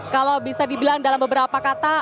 kalau bisa dibilang dalam beberapa kata